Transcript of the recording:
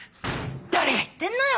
誰が言ってんのよ！